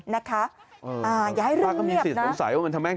นะฮะ